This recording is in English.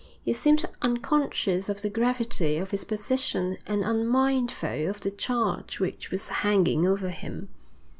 He seemed unconscious of the gravity of his position and unmindful of the charge which was hanging over him.